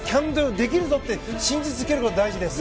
できるって信じ続けることが大事です。